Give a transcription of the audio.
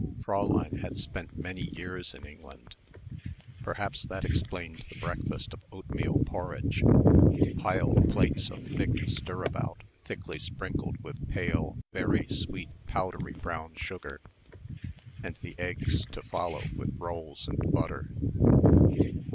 Fräulein had spent many years in England. Perhaps that explained the breakfast of oatmeal porridge piled plates of thick stirabout thickly sprinkled with pale, very sweet powdery brown sugar and the eggs to follow with rolls and butter.